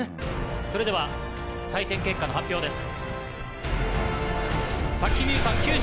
それでは採点結果の発表です。